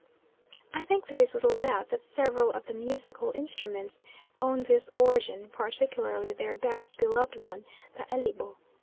I think there is little doubt that several of the musical instruments own this origin, particularly their best beloved one, the elibo.